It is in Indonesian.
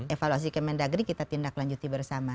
evaluasi kemen dagri kita tindaklanjuti bersama